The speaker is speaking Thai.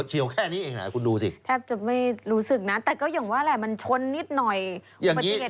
เฉียวแค่นี้เองนะคุณดูสิแทบจะไม่รู้สึกนะแต่ก็อย่างว่าแหละมันชนนิดหน่อย